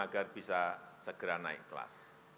agar bisa segera naik kelas